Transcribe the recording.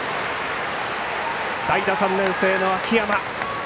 代打、３年生の秋山。